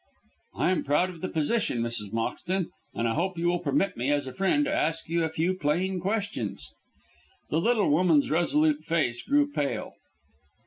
"I am proud of the position, Mrs. Moxton, and I hope you will permit me, as a friend, to ask you a few plain questions?" The little woman's resolute face grew pale.